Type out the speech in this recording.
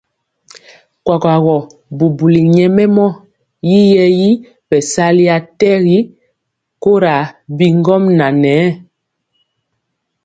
Kuakuagɔ bubuli nyɛmemɔ yi yɛɛ bɛsali atɛgi kora bi ŋgomnaŋ nɛ.